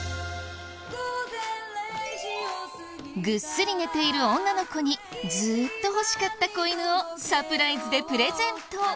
ぐっすり寝ている女の子にずーっと欲しかった子犬をサプライズでプレゼント。